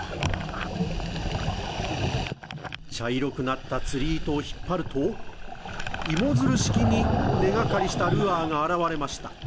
茶色くなった釣り糸を引っ張ると芋づる式に根がかりしたルアーが現れました。